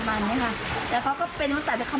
ประมาณนี้ค่ะแต่เขาก็เป็นวันต่อไปเขาไม่หลับ